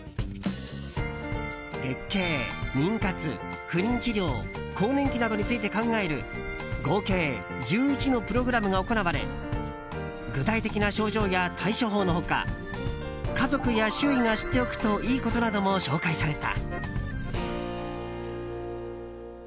月経、妊活、不妊治療更年期などについて考える合計１１のプログラムが行われ具体的な症状や対処法の他家族や周囲が知っておくといいことなども紹介された。